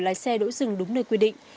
lái xe đỗ dừng đúng nơi quy định